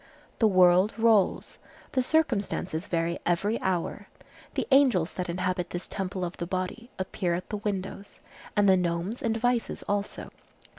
The world rolls; the circumstances vary every hour. The angels that inhabit this temple of the body appear at the windows, and the gnomes and vices also.